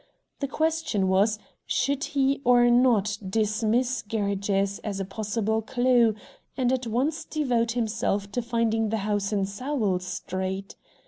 The question was, should he or not dismiss Gerridge's as a possible clew, and at once devote himself to finding the house in Sowell Street?